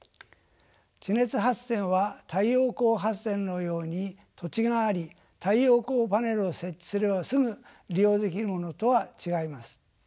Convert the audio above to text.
地熱発電は太陽光発電のように土地があり太陽光パネルを設置すればすぐ利用できるものとは違います。